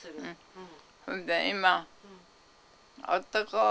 うん。